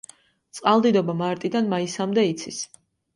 წყალდიდობა მარტიდან მაისამდე იცის.